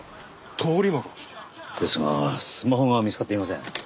ですがスマホが見つかっていません。